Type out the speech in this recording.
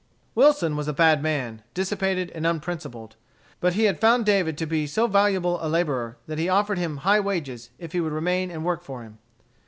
Wilson was a bad man, dissipated and unprincipled. But he had found David to be so valuable a laborer that he offered him high wages if he would remain and work for him.